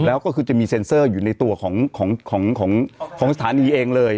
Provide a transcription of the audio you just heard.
แล้วก็คือจะมีเซ็นเซอร์อยู่ในตัวของสถานีเองเลย